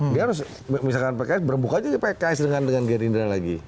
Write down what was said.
dia harus misalkan pks berbuka aja pks dengan gerindra lagi